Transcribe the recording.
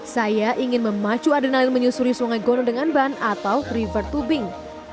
saya ingin memacu adrenalin menyusuri sungai gono dengan ban atau river tubing